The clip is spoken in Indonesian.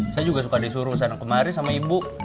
saya juga suka disuruh sana kemari sama ibu